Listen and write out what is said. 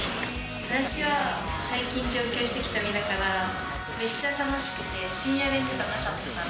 私は最近上京してきた身だから、めっちゃ楽しくて、深夜練とかなかったから。